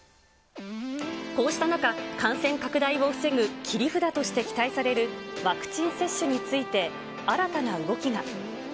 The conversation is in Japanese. こうした中、感染拡大を防ぐ切り札として期待されるワクチン接種について、新たな動きが。